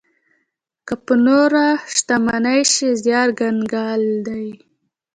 که په نوره شتمنۍ شي، زيار کنګال دی.